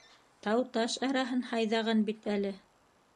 Тау-таш араһын һайҙаған бит әле...